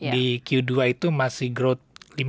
di q dua itu masih growth lima puluh